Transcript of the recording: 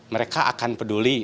mereka akan peduli